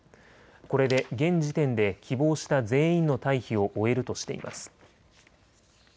これで現時点で希望した全員の退避を終えるとしています。